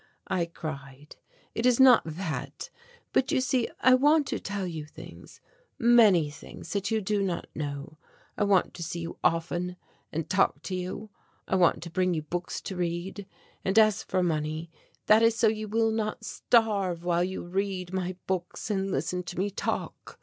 I cried, "it is not that; but you see I want to tell you things; many things that you do not know. I want to see you often and talk to you. I want to bring you books to read. And as for money, that is so you will not starve while you read my books and listen to me talk.